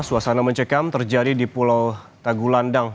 suasana mencekam terjadi di pulau tagulandang